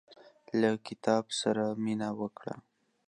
له کتاب سره مينه وکړه.